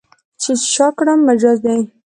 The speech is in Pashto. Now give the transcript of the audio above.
چې شا کړم، مجاز دی.